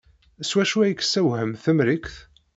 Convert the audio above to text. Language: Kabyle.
S wacu ay k-tessewhem Temrikt?